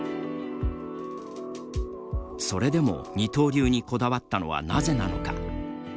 それでも二刀流にこだわったのはなぜなのか。